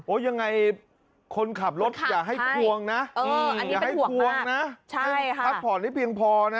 ยังไงคนขับรถอย่าให้ควงนะอย่าให้ทวงนะพักผ่อนให้เพียงพอนะ